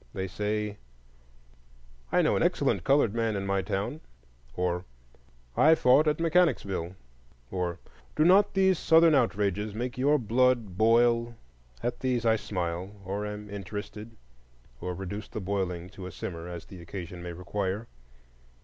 they say, I know an excellent colored man in my town; or, I fought at Mechanicsville; or, Do not these Southern outrages make your blood boil? At these I smile, or am interested, or reduce the boiling to a simmer, as the occasion may require.